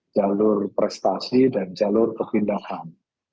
jalur prestasi dan jalur kepindahan